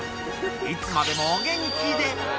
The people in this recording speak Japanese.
いつまでもお元気で。